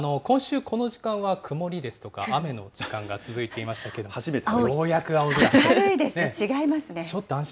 今週、この時間は曇りですとか、雨の時間が続いていましたけれども、ようやく青空と。